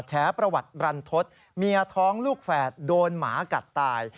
แฉประวัติรันทศเมียท้องลูกแฝดโดนหมากัดตาย